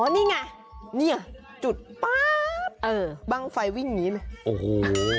นี่ไงจุดป๊าบบ้างไฟวิ่งหนีเลย